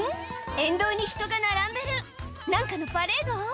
沿道に人が並んでる何かのパレード？